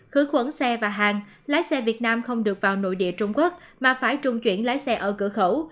khử khuẩn xe và hàng lái xe việt nam không được vào nội địa trung quốc mà phải trung chuyển lái xe ở cửa khẩu